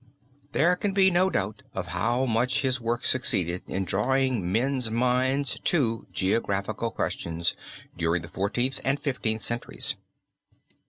There can be no doubt of how much his work succeeded in drawing men's minds to geographical questions during the Fourteenth and Fifteenth centuries.